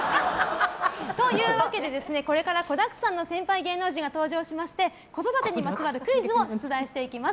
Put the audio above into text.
というわけで、これから子だくさんの先輩芸能人が登場しまして子育てにまつわるクイズを出題していきます。